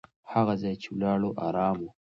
هغه ځای چې ولاړو، ارام و.